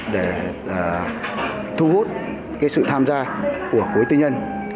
để thu hút sự tham gia của khối tư nhân